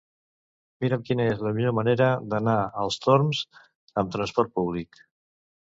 Mira'm quina és la millor manera d'anar als Torms amb trasport públic.